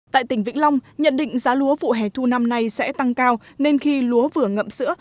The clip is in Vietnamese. tại tỉnh vĩnh long nhận định giá lúa vụ hè thu năm nay sẽ tăng cao nên khi lúa vừa ngậm sữa